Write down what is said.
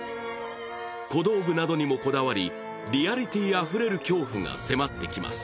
小道具などにもこだわり、リアリティあふれる恐怖が迫ってきます。